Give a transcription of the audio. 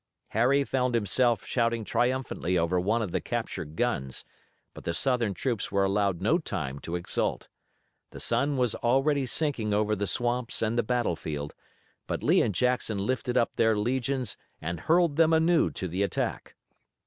Harry found himself shouting triumphantly over one of the captured guns, but the Southern troops were allowed no time to exult. The sun was already sinking over the swamps and the battlefield, but Lee and Jackson lifted up their legions and hurled them anew to the attack.